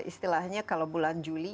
istilahnya kalau bulan juli